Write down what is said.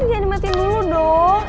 jangan dimatiin dulu dong